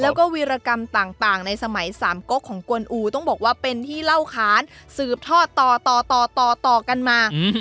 แล้วก็วีรกรรมต่างในสมัยสามกกของกวนอูต้องบอกว่าเป็นที่เล่าขานสืบทอดต่อต่อต่อต่อต่อกันมา